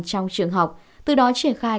trong trường học từ đó triển khai